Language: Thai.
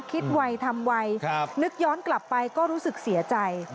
ไวทำไวนึกย้อนกลับไปก็รู้สึกเสียใจ